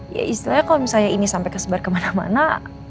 ya istilahnya kalau misalnya ini sampai kesebar kemana mana